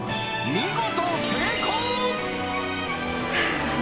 見事成功！